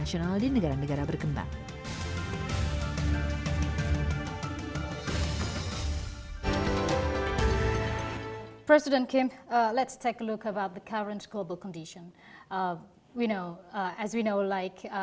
anda harus bergerak cepat saya sangat senang